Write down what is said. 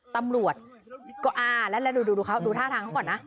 ตำรวจก็อ้าแล้วดูท่าทางเขาก่อนนะ